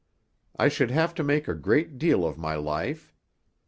I should have to make a great deal of my life.